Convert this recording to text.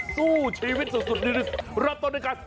สู้ชีวิตสุดดีรับต้นในการ